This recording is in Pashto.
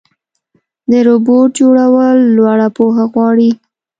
د روبوټ جوړول لوړه پوهه غواړي.